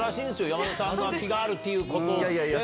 山田さんが気があるってことで。